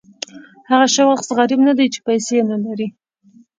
هغه شخص غریب نه دی چې پیسې نه لري.